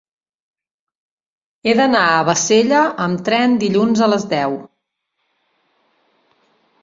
He d'anar a Bassella amb tren dilluns a les deu.